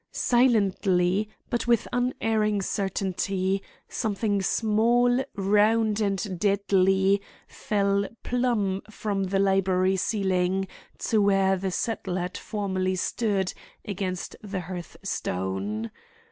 Silently, but with unerring certainty, something small, round, and deadly, fell plumb from the library ceiling to where the settle had formerly stood against the hearthstone.